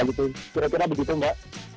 kira kira begitu mbak